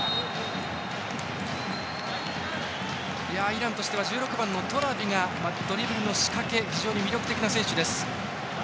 イランとしては１６番のトラビがドリブルの仕掛け非常に魅力的な選手です。